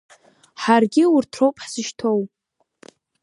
Ҳаргьы урҭ роуп ҳзышьҭоу!